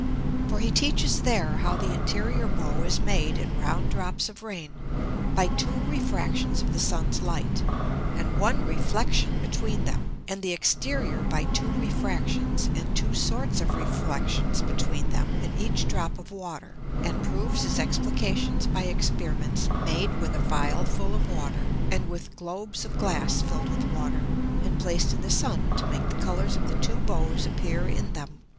For he teaches there how the interior Bow is made in round Drops of Rain by two Refractions of the Sun's Light, and one Reflexion between them, and the exterior by two Refractions, and two sorts of Reflexions between them in each Drop of Water, and proves his Explications by Experiments made with a Phial full of Water, and with Globes of Glass filled with Water, and placed in the Sun to make the Colours of the two Bows appear in them.